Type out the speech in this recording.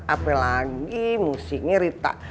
apa lagi musiknya rita